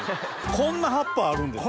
こんな葉っぱあるんですか？